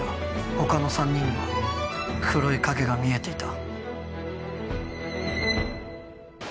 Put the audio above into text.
他の３人には黒い影が見えていた。